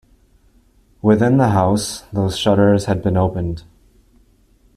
Within the house those shutters had been opened.